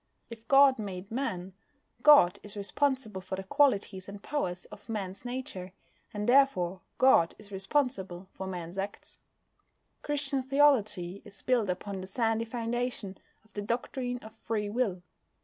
If God made Man, God is responsible for the qualities and powers of Man's nature, and therefore God is responsible for Man's acts. Christian theology is built upon the sandy foundation of the doctrine of Free Will.